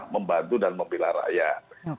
membantu dan mempila rakyat